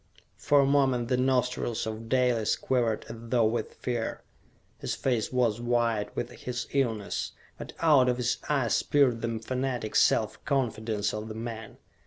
For a moment the nostrils of Dalis quivered as though with fear. His face was white with his illness; but out of his eyes peered the fanatic self confidence of the man.